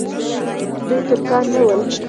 دوی ترکان نه ول.